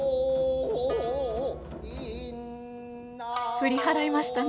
振り払いましたね。